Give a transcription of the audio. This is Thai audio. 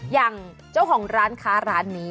อย่างเจ้าของร้านค้าร้านนี้